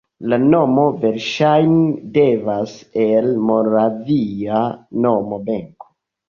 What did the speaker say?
La nomo verŝajne devenas el moravia nomo Benko.